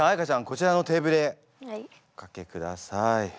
こちらのテーブルへおかけください。